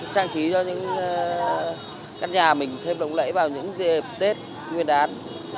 trang trí cho các nhà mình thêm lỗng lẫy vào những dịp tết nguyên đán